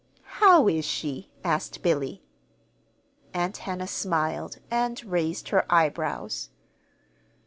"How is she?" asked Billy. Aunt Hannah smiled, and raised her eyebrows.